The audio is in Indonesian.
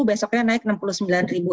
besoknya naik enam puluh sembilan ribu